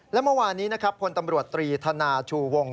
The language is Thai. และเมื่อวานี้คนตำรวจตรีธนาชูวง